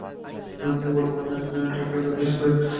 তিনি বর্তমানে WWE champion.